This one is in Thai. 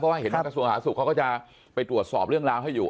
เพราะว่าเห็นว่ากระทรวงสาธารสุขเขาก็จะไปตรวจสอบเรื่องราวให้อยู่